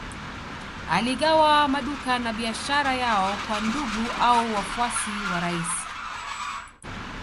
Aligawa maduka na biashara yao kwa ndugu au wafuasi wa rais